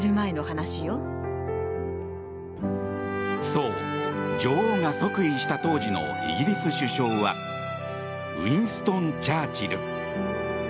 そう、女王が即位した当時のイギリス首相はウィンストン・チャーチル。